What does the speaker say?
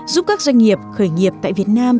giúp các doanh nghiệp khởi nghiệp tại việt nam